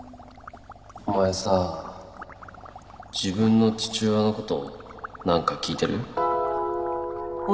お前さ自分の父親の事なんか聞いてる？